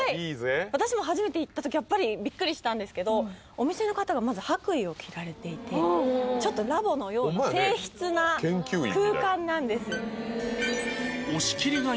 私も初めて行った時やっぱりびっくりしたんですけどお店の方がまず白衣を着られていてちょっとラボのような静ひつな空間なんです押切が